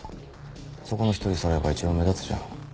そこの１人さらえば一番目立つじゃん。